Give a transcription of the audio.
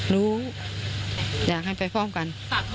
รู้อยากให้ไปพร้อมกัน